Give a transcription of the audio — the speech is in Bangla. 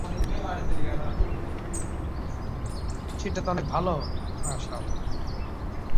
বৈশ্বিক তাপমাত্রা বৃদ্ধি সীমাবদ্ধ করতে গ্রিনহাউস গ্যাস নিঃসরণ হ্রাস করা এই কনভেনশনের লক্ষ্য ছিল।